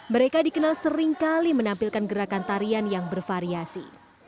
mereka dikenal seringkali menampilkan gerakan tarian yang bervariasi